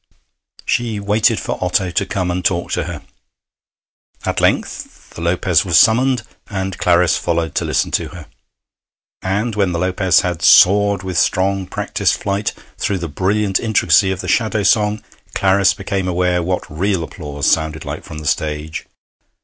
She waited for Otto to come and talk to her. At length the Lopez was summoned, and Clarice followed to listen to her. And when the Lopez had soared with strong practised flight through the brilliant intricacy of the Shadow Song, Clarice became aware what real applause sounded like from the stage.